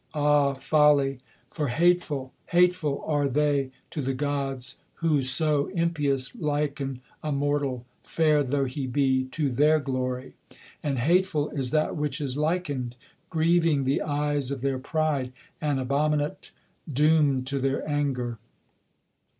Ah folly! for hateful, Hateful are they to the gods, whoso, impious, liken a mortal, Fair though he be, to their glory; and hateful is that which is likened, Grieving the eyes of their pride, and abominate, doomed to their anger.